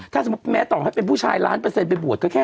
ถ้าสมมุติแม้ต่อให้เป็นผู้ชายล้านเปอร์เซ็นไปบวชก็แค่